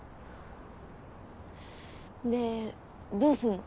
でどうすんの？